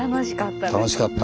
楽しかった。